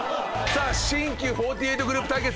新旧４８グループ対決。